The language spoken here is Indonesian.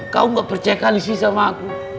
kamu enggak percaya kalisi sama aku